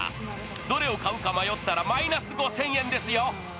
どれを買うか迷ったマイナス５０００円ですよ。